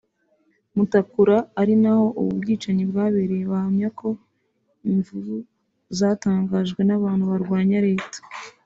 Mutakura ari naho ubu bwicanyi bwabereye bahamya ko imvuru zatangijwe n’abantu barwanya Leta